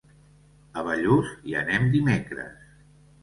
A Bellús hi anem dimecres.